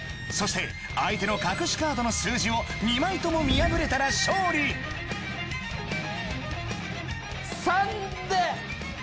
そして相手の隠しカードの数字を２枚とも見破れたら勝利３で。